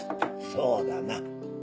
そうだな。